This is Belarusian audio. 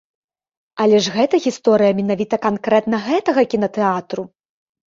Але ж гэта гісторыя менавіта канкрэтна гэтага кінатэатру!